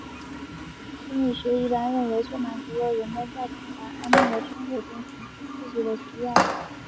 心理学一般认为这满足了人们在平凡安定的生活中寻求刺激的需要。